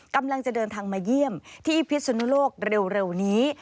กำลังจะเดินทางมาเยี่ยมที่พิศนุโลกเร็วนี้